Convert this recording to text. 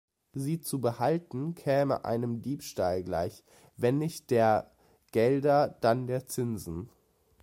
Sie zu behalten käme einem Diebstahl gleich, wenn nicht der Gelder, dann der Zinsen.